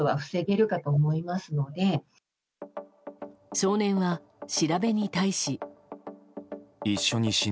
少年は調べに対し。